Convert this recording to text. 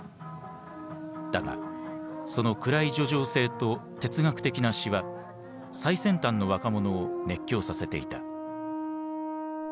だがその暗い叙情性と哲学的な詩は最先端の若者を熱狂させていた。